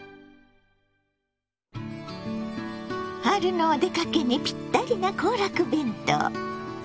春のお出かけにぴったりな行楽弁当。